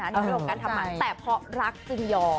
ในเรื่องของการทำมันแต่เพราะรักจึงยอม